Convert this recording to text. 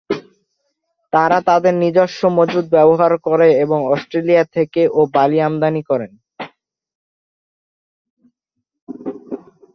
তারা তাদের নিজস্ব মজুদ ব্যবহার করে এবং অস্ট্রেলিয়া থেকে ও বালি আমদানি করে।